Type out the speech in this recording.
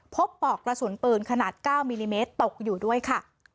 ปอกกระสุนปืนขนาด๙มิลลิเมตรตกอยู่ด้วยค่ะ